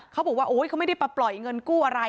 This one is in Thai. เขาบอกว่าโอ๊ยเขาไม่ได้มาปล่อยเงินกู้อะไร